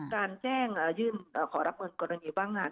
การแจ้งยื่นขอรับเงินกรณีว่างงาน